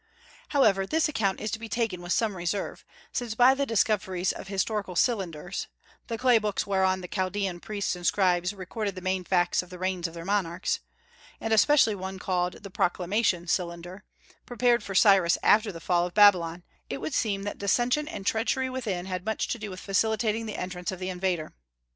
However, this account is to be taken with some reserve, since by the discoveries of historical "cylinders," the clay books whereon the Chaldaean priests and scribes recorded the main facts of the reigns of their monarchs, and especially one called the "Proclamation Cylinder," prepared for Cyrus after the fall of Babylon, it would seem that dissension and treachery within had much to do with facilitating the entrance of the invader.